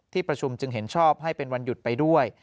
ประชุมจึงเห็นชอบให้เป็นวันหยุดไปด้วย